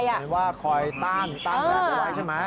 หมายความว่าคอยตั้งนะตั้งแม้ตัวไว้ใช่ไหม